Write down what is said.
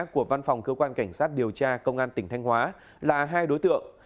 của văn phòng cơ quan cảnh sát điều tra công an tỉnh thanh hóa là hai đối tượng